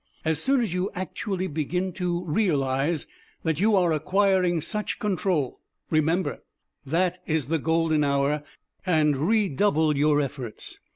As soon as you actually begin to realize that you are acquiring such control remember that is the golden hour and redouble your efforts.